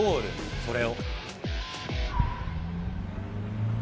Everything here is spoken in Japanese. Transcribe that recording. それを。